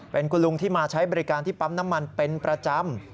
เป็นคุณลุงที่มาใช้บริการที่ปั๊มน้ำมันเป็นประจำ